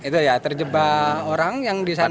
terjebak orang yang di sana itu